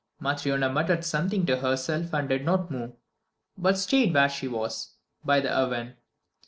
Matryona muttered something to herself and did not move, but stayed where she was, by the oven.